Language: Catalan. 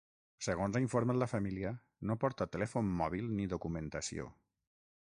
Segons ha informat la família, no porta telèfon mòbil ni documentació.